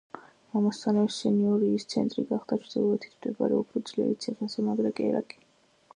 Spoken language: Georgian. ამასთანავე სენიორიის ცენტრი გახდა, ჩრდილოეთით მდებარე, უფრო ძლიერი ციხესიმაგრე კერაკი.